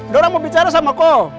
dora mau bicara sama ko